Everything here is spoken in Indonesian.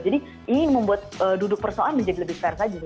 jadi ini membuat duduk persoalan menjadi lebih fair saja